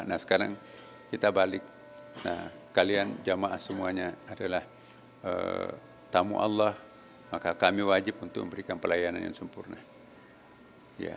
nah sekarang kita balik nah kalian jamaah semuanya adalah tamu allah maka kami wajib untuk memberikan pelayanan yang sempurna